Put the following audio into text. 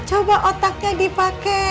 coba otaknya dipake